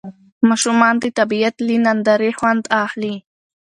ماشومان د طبیعت له نندارې خوند اخلي